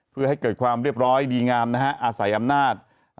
เพื่อให้เกิดความเรียบร้อยดีงามอาศัยอำนาจ